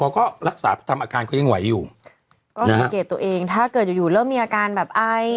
เราก็รักษาตามอาการก็ยังไหวอยู่ก็มีเกตตัวเองถ้าเกิดอยู่เริ่มมีอาการแบบไอ้